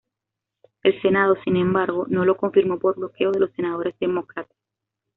El Senado, sin embargo, no lo confirmó por bloqueo de los senadores demócratas.